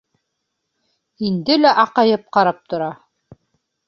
Инде лә аҡайып ҡарап тора.